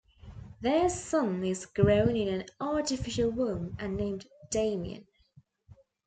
Their son is grown in an artificial womb and named Damian.